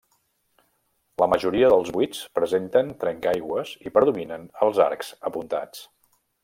La majoria dels buits presenten trencaaigües i predominen els arcs apuntats.